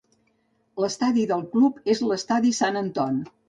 L'estadi del club és l'estadi Sant Antoni.